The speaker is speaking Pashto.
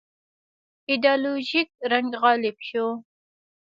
ایدیالوژیک رنګ غالب شوی.